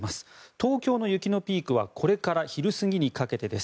東京の雪のピークはこれから昼過ぎにかけてです。